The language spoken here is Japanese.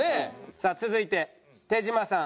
さあ続いて手島さん。